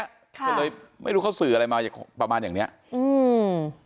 ก็เลยไม่รู้เขาสื่ออะไรมาประมาณอย่างเนี้ยอืม